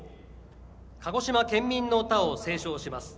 「鹿児島県民の歌」を斉唱します。